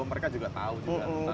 mereka juga tahu juga